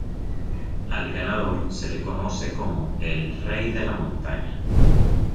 Al ganador se le conoce como el "rey de la montaña".